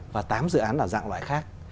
và tám dự án là dạng loại khác